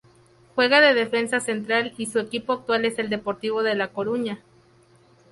Juega de defensa central y su equipo actual es el Deportivo de La Coruña.